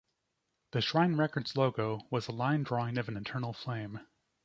The Shrine Records logo was a line drawing of an eternal flame.